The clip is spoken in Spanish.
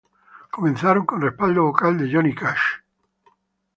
Comenzaron como respaldo vocal de Johnny Cash.